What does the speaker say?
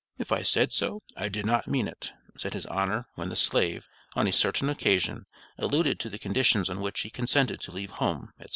"If I said so, I did not mean it," said his honor, when the slave, on a certain occasion, alluded to the conditions on which he consented to leave home, etc.